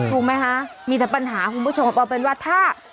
ถูกไหมคะมีแต่ปัญหาคุณผู้ชมเอาเป็นว่าถ้า